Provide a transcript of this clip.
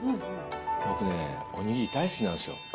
僕ね、おにぎり大好きなんですよ。